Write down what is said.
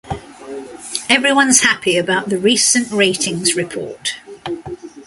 Everyone's happy about the recent ratings report.